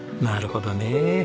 なるほどね。